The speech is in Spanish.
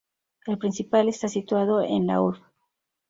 El principal está situado en la Urb.